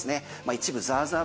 一部ザーザー